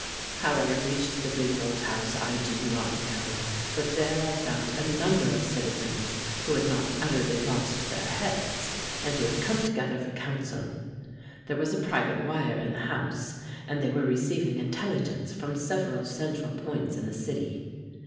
How I reached the Brevoort House I do not know. But there I found a number of citizens who had not utterly lost their heads, and who had come together for counsel. There was a private wire in the house, and they were receiving intelligence from several central points in the city.